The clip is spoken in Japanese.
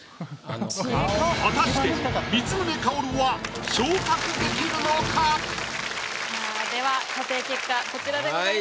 果たして光宗薫はさあでは査定結果こちらでございます。